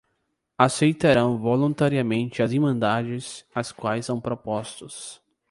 Aceitarão voluntariamente as irmandades às quais são propostos.